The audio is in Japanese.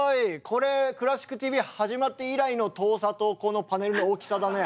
これ「クラシックＴＶ」始まって以来の遠さとこのパネルの大きさだね。